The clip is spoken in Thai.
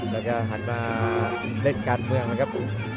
แล้วก็หันมาประธานการณ์เมืองนะครับ